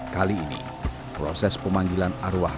kali ini proses pemanggilan arwah